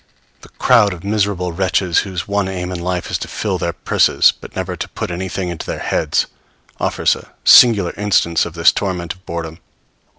The crowd of miserable wretches whose one aim in life is to fill their purses but never to put anything into their heads, offers a singular instance of this torment of boredom.